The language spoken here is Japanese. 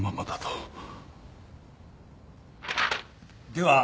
では